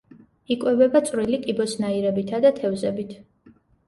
იკვებება წვრილი კიბოსნაირებითა და თევზებით.